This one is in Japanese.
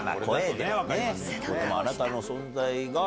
でも「あなたの存在が」